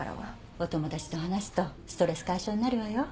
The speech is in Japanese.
お友達と話すとストレス解消になるわよ。